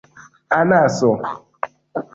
anaso